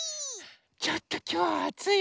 ちょっときょうはあついよね。